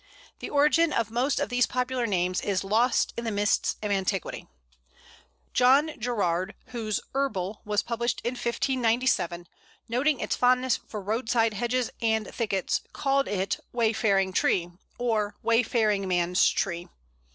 The origin of most of these popular names is lost in the mists of antiquity. John Gerarde, whose "Herbal" was published in 1597, noting its fondness for roadside hedges and thickets, called it Wayfaring tree, or Wayfaringman's tree.